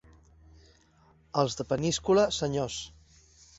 Els de Peníscola, senyors.